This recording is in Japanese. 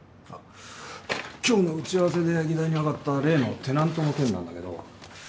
あっ今日の打ち合わせで議題に上がった例のテナントの件なんだけど。